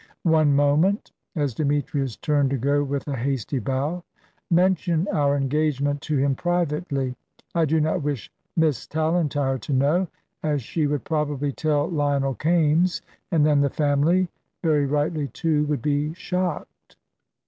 One moment," as Demetrius turned to go with a hasty bow. "Mention our engagement to him privately. I do not wish Miss Tallentire to know, as she would probably tell Lionel Kaimes, and then the family very rightly too would be shocked."